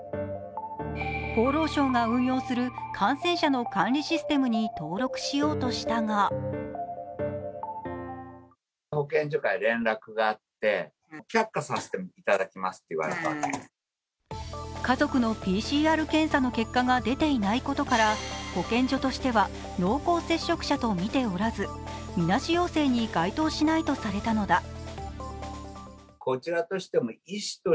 厚労省が運用する感染者の管理システムに登録しようとしたが家族のＰＣＲ検査の結果が出ていないことから保健所としては濃厚接触者と見ておらず、みなし陽性に該当しないとされたのだ。